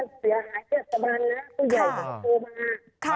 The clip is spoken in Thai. ต้องเกี่ยวกับโปรบา